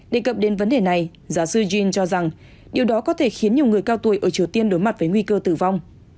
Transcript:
đề cập đến vấn đề này giáo sư jean cho rằng điều đó có thể khiến nhiều người cao tuổi ở triều tiên đối mặt với nguy cơ tử vong